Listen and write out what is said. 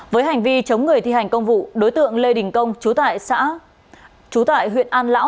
với hành vi chống người thi hành công vụ đối tượng lê đình công chú tại huyện an lão